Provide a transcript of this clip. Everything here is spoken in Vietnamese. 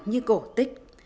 như cổ tích